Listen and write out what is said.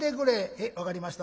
「へえ分かりました。